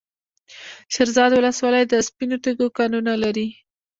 د شیرزاد ولسوالۍ د سپینو تیږو کانونه لري.